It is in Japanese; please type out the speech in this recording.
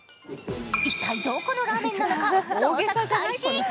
一体、どこのラーメンなのか、捜索開始。